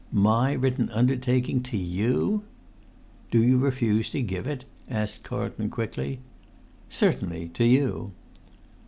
My written undertaking—to you!" "Do you refuse to give it?" asked Carlton quickly. "Certainly—to you."